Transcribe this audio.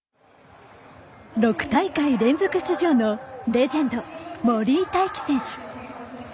６大会連続出場のレジェンド森井大輝選手。